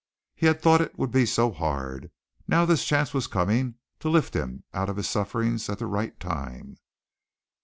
He had thought it would be so hard. Now this chance was coming to lift him out of his sufferings at the right time.